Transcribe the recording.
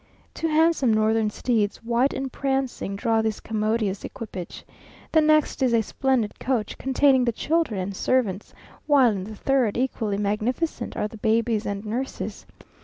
Two handsome northern steeds, white and prancing, draw this commodious equipage. The next is a splendid coach containing the children and servants, while in the third, equally magnificent, are the babies and nurses.